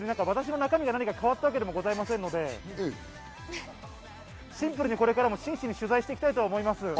私の中身が何か変わったわけでもございませんので、シンプルにこれからも真摯に取材していきたいと思います。